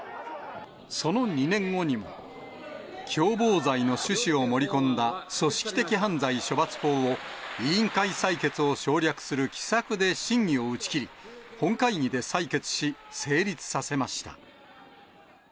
その２年後にも、共謀罪の趣旨を盛り込んだ組織的犯罪処罰法を、委員会採決を省略する奇策で審議を打ち切り、本会議で採決し成立させました。